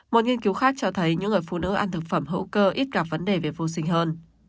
một nghiên cứu khác cho thấy những người phụ nữ ăn thực phẩm hữu cơ ít gặp vấn đề về vô sinh hơn